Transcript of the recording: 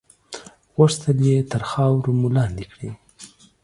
غوښتل یې تر خاورو مو لاندې کړي.